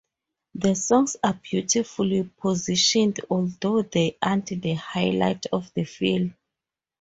The songs are beautifully positioned although they aren’t the highlight of the film.